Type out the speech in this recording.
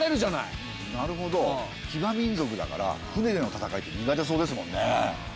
なるほど騎馬民族だから船での戦いって苦手そうですもんね。